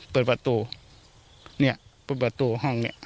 เปิดประตูเนี่ยเปิดประตูห้องเนี่ย